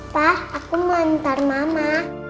pak aku mau antar mama